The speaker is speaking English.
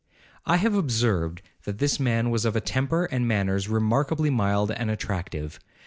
'I have observed, that this man was of a temper and manners remarkably mild and attractive.